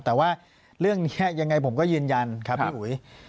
แต่ว่าเรื่องนี้ยังไงผมก็ยืนยันครับพี่อุ๋ย